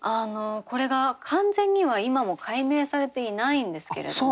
これが完全には今も解明されていないんですけれども。